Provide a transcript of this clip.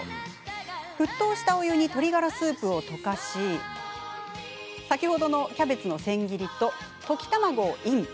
沸騰したお湯に鶏ガラスープを溶かし先ほどのキャベツの千切りと溶き卵をイン。